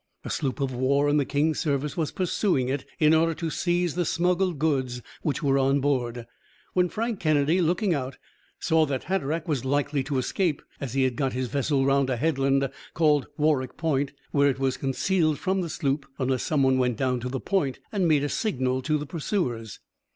A sloop of war in the king's service was pursuing it in order to seize the smuggled goods which were on board, when Frank Kennedy, looking out, saw that Hatteraick was likely to escape, as he had got his vessel round a headland called Warroch Point, where it was concealed from the sloop, unless someone went down to the Point and made a signal to the pursuers.